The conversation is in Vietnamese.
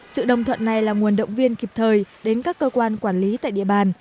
sự đồng thuận này là nguồn động viên kịp thời đến các cơ quan quản lý tại địa bàn